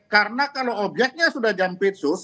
karena kalau objeknya sudah jam pisus